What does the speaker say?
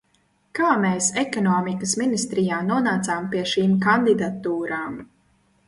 Kā mēs Ekonomikas ministrijā nonācām pie šīm kandidatūrām?